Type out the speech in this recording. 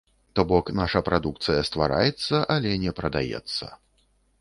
То бок, наша прадукцыя ствараецца, але не прадаецца.